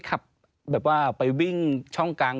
ขับแบบว่าไปวิ่งช่องกลาง